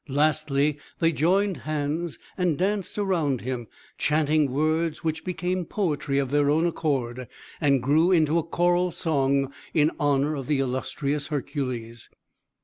Lastly, they joined hands, and danced around him, chanting words which became poetry of their own accord, and grew into a choral song, in honour of the illustrious Hercules.